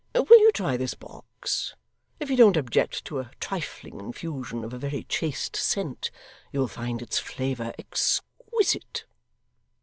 Will you try this box? If you don't object to a trifling infusion of a very chaste scent, you'll find its flavour exquisite.